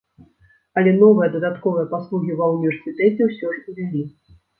Але новыя дадатковыя паслугі ва ўніверсітэце ўсё ж увялі.